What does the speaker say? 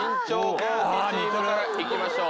公記チームから行きましょう。